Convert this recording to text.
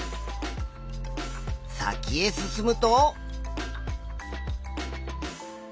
先へ進むと。